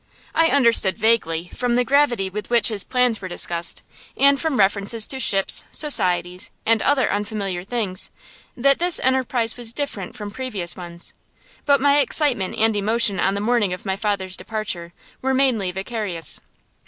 I understood vaguely, from the gravity with which his plans were discussed, and from references to ships, societies, and other unfamiliar things, that this enterprise was different from previous ones; but my excitement and emotion on the morning of my father's departure were mainly vicarious.